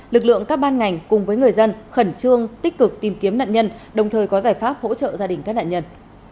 lực lượng các ban ngành cùng với người dân khẩn trương tích cực tìm kiếm nạn nhân đồng thời có giải pháp hỗ trợ gia đình các nạn nhân